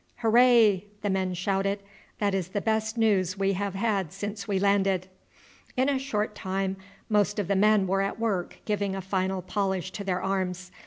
"Hooray!" the men shouted. "That is the best news we have had since we landed." In a short time most of the men were at work giving a final polish to their arms.